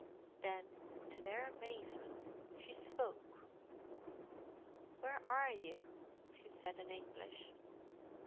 Then, to their amazement, she spoke. "Where are you?" she said in English.